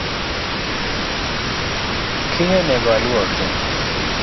Kiny onego aluoki